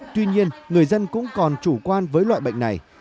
tuy nhiên người dân cũng còn chủ quan với loại bệnh này